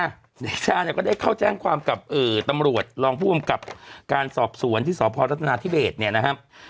เดชาเนี่ยก็ได้เข้าแจ้งความกับตำรวจรองผู้กำกับการสอบสวนที่สพรัฐนาธิเบสเนี่ยนะครับ